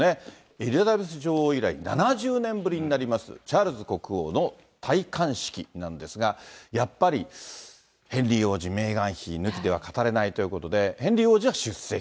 エリザベス女王以来、７０年ぶりになります、チャールズ国王の戴冠式なんですが、やっぱり、ヘンリー王子、メーガン妃抜きでは語れないということで、ヘンリー王子は出席。